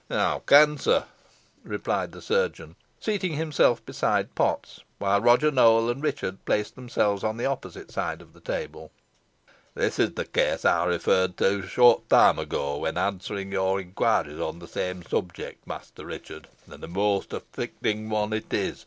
"I can, sir," replied the chirurgeon, seating himself beside Potts, while Roger Nowell and Richard placed themselves on the opposite side of the table. "This is the case I referred to a short time ago, when answering your inquiries on the same subject, Master Richard, and a most afflicting one it is.